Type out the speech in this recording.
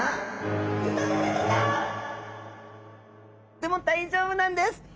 でも大丈夫なんです。